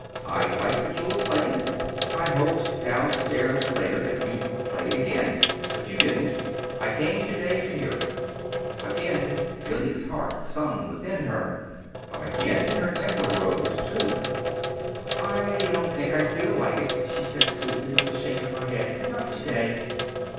"I liked what you were playing. I hoped, down stairs later, that you'd play it again; but you didn't. I came to day to hear it." Again Billy's heart sung within her but again her temper rose, too. "I don't think I feel like it," she said sweetly, with a shake of her head. "Not to day."